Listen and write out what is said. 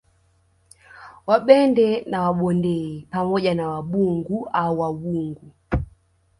Wabende na Wabondei pamoja na Wabungu au Wawungu